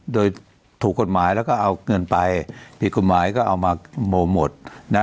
โดยถูกกฎหมายแล้วก็เอาเงินไปผิดกฎหมายก็เอามาโมหมดนะ